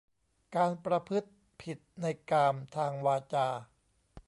การประพฤติผิดในกาม ทางวาจา